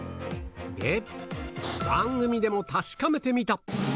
で、番組でも確かめてみた！